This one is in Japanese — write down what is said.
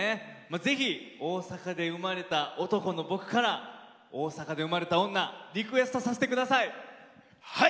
ぜひ大阪で生まれた男の僕から「大阪で生まれた女」リクエストさせてください。